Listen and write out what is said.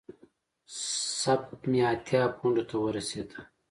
سپ مې اتیا پونډو ته ورسېده.